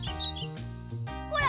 ほら！